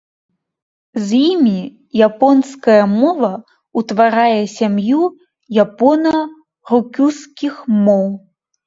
З імі японская мова ўтварае сям'ю япона-рукюскіх моў.